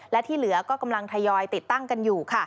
และที่เหลือก็กำลังทยอยติดตั้งกันอยู่